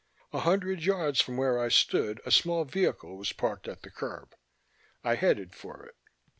A hundred yards from where I stood a small vehicle was parked at the curb; I headed for it.